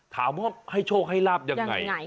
ถามว่าให้โชคให้ลาบยังไง